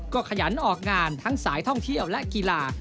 ก็ขยันออกงานทั้งสายท่องเที่ยวและกีฬา